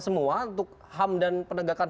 semua untuk ham dan penegakan